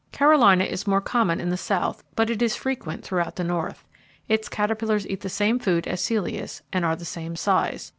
Carolina is more common in the south, but it is frequent throughout the north. Its caterpillars eat the same food as Celeus, and are the same size.